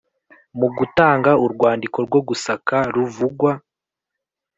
Mu gutanga urwandiko rwo gusaka ruvugwa